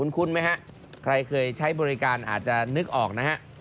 คุ้นไหมครับใครเคยใช้บริการอาจจะนึกออกนะครับ